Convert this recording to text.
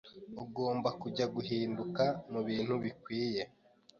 Ugomba kujya guhinduka mubintu bikwiye.